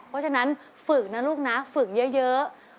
เพราะฉะนั้นฝึกนะลูกนะฝึกเยอะ